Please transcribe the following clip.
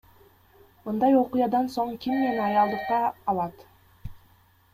Мындай окуядан соң ким мени аялдыкка алат?